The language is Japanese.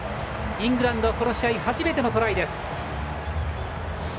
イングランドこの試合初めてのトライ。